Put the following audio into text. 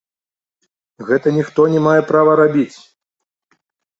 Гэта ніхто не мае права рабіць!